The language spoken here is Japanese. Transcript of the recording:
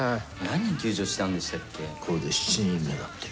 何人救助したんでしたっけ？